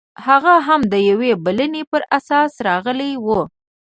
هغه هم د یوې بلنې پر اساس راغلی و